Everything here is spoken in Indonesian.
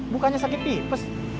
bukannya sakit pipes